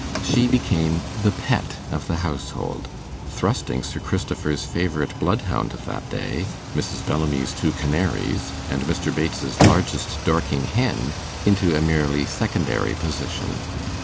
She became the pet of the household, thrusting Sir Christopher's favourite bloodhound of that day, Mrs. Bellamy's two canaries, and Mr. Bates's largest Dorking hen, into a merely secondary position.